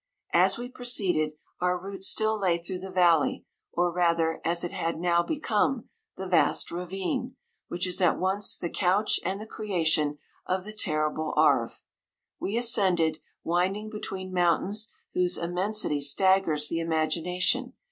As we proceeded, our route still lay 149 through the valley, or rather, as it had now become, the vast ravine, which is at once the couch and the creation of the terrible Arve. We ascended, wind ing between mountains whose immen sity staggers the imagination.